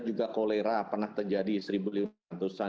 juga kolera pernah terjadi seribu lima ratus an